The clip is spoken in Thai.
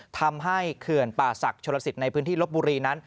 เขื่อนป่าศักดิ์ชลสิทธิ์ในพื้นที่ลบบุรีนั้น